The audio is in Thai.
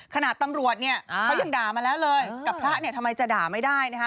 ขณะตำรวจเขายังด่ามาแล้วเลยกับพระทำไมจะด่าไม่ได้นะฮะ